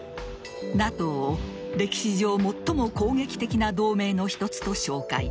ＮＡＴＯを歴史上最も攻撃的な同盟の一つと紹介。